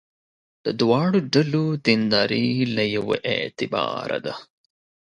د دواړو ډلو دینداري له یوه اعتباره ده.